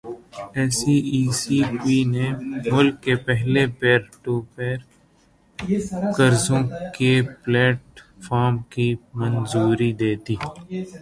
S E C P نے ملک کے پہلے پیر ٹو پیر قرضوں کے پلیٹ فارم کی منظوری دے دی